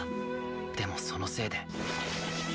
でもそのせいでーー。